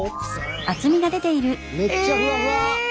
めっちゃふわふわ！